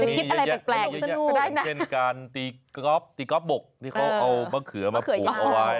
มีอย่างเช่นการตีก๊อบบกที่เขาเอามะเขือมาปลูกเอาไว้